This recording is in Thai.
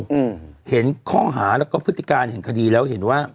อืมเห็นข้อหาแล้วก็พฤติการแห่งคดีแล้วเห็นว่า